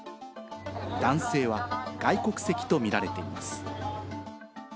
男性は外国籍とみられています。